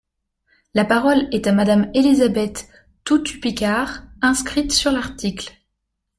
La parole est à Madame Élisabeth Toutut-Picard, inscrite sur l’article.